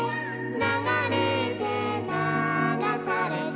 「ながれてながされて」